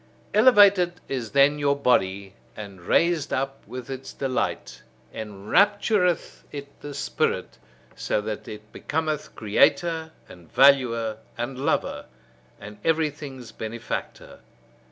Elevated is then your body, and raised up; with its delight, enraptureth it the spirit; so that it becometh creator, and valuer, and lover, and everything's benefactor.